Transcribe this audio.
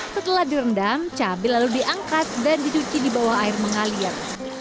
setelah direndam cabai lalu diangkat dan dicuci di bawah air mengalir